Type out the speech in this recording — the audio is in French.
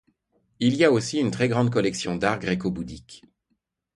Il y a aussi une très grande collection d'arts gréco-bouddhiques.